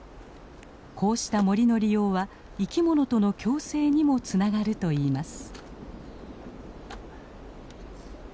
こうした森の利用は生きものとの共生にもつながるといいます。